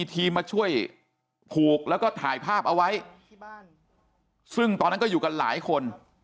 ถ่ายภาพเอาไว้ซึ่งตอนนั่นก็อยู่กันหลายคน